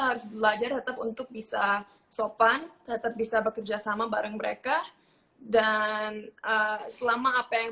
harus belajar tetap untuk bisa sopan tetap bisa bekerja sama bareng mereka dan selama apa yang